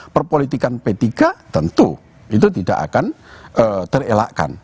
perpolitikan p tiga tentu itu tidak akan terelakkan